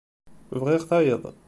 Bɣiɣ tayeḍ.